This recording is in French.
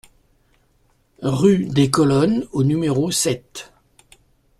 Rue des Colonnes au numéro sept